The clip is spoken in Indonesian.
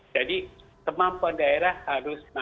jadi kemampuan daerah harus mampu